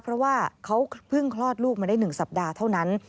เพราะว่าเขาเพิ่งคลอดลูกมาได้๑สัปดาห์เท่านั้น